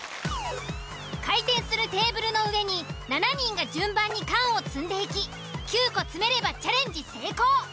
回転するテーブルの上に７人が順番に缶を積んでいき９個積めればチャレンジ成功。